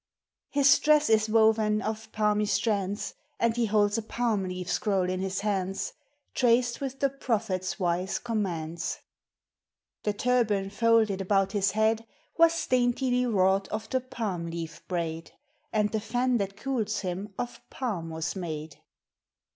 His dress is woven of palmy strands, And he holds a palm leaf scroll in his hands, Traced with the Prophet's wise commands ! The turban folded about his head Was daintily wrought of the palm leaf braid, And the fan that cools him of palm was made.